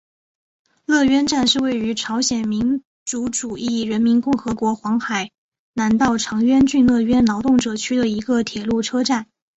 乐渊站是位于朝鲜民主主义人民共和国黄海南道长渊郡乐渊劳动者区的一个铁路车站。